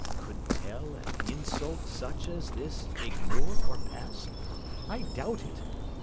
Could Tell an insult such as this Ignore or pass? I doubt it!